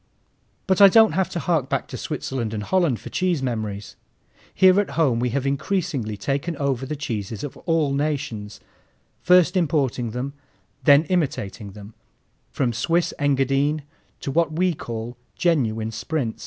But I don't have to hark back to Switzerland and Holland for cheese memories. Here at home we have increasingly taken over the cheeses of all nations, first importing them, then imitating them, from Swiss Engadine to what we call Genuine Sprinz.